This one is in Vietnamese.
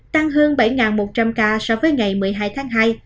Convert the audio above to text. tăng hơn bảy một trăm linh ca so với ngày một mươi hai tháng hai